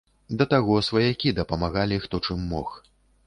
Да таго, сваякі дапамагалі, хто чым мог.